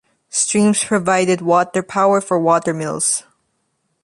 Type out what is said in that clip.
Streams provided water power for watermills.